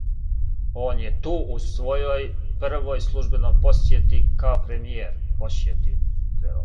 Он је ту у својој првој службеној посјети као премијер.